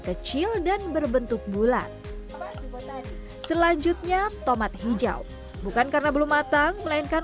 kecil dan berbentuk bulat selanjutnya tomat hijau bukan karena belum matang melainkan